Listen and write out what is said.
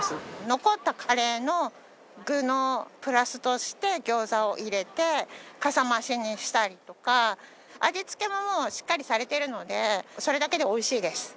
残ったカレーの具のプラスとして餃子を入れてかさ増しにしたりとか味付けももうしっかりされてるのでそれだけでおいしいです。